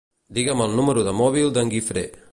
Digue'm el número de mòbil d'en Guifré.